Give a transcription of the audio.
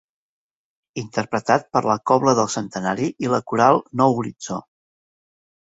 Interpretat per la Cobla del Centenari i la Coral Nou Horitzó.